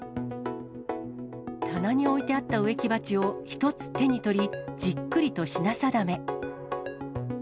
棚に置いてあった植木鉢を１つ手に取り、じっくりと品定め。